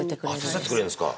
手伝ってくれるんですか？